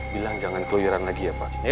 bilang jangan keluaran lagi ya pak